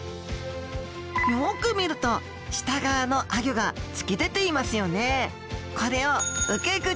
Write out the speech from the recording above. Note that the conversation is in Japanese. よく見ると下側のあギョが突き出ていますよね。